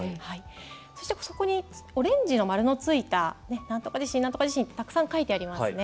そして、オレンジの丸がついたなんとか地震ってたくさん書いてありますね。